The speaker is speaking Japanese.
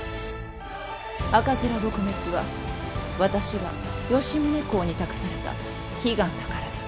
赤面撲滅は私が吉宗公に託された悲願だからです。